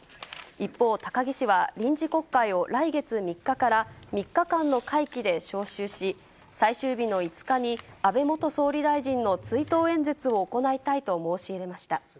一方、高木氏は臨時国会を来月３日から３日間の会期で召集し、最終日の５日に安倍元総理大臣の追悼演説を行いたいと申し入れました。